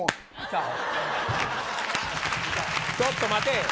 ちょっと待て。